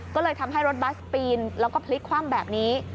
ก็เลยทำให้รถบัสปีนแล้วก็พลิกคว่ำแบบนี้